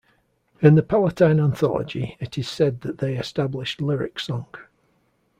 In the Palatine Anthology it is said that they established lyric song.